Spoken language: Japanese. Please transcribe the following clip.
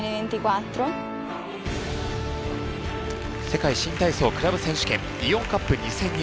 世界新体操クラブ選手権イオンカップ２０２２。